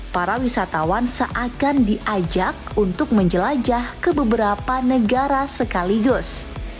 para wisatawan seakan diajak untuk menjelajah ke beberapa negara sekaligus